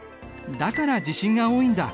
だから地震が多いんだ。